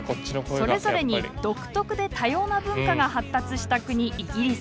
それぞれに独特で多様な文化が発達した国イギリス。